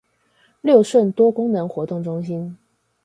六順多功能活動中心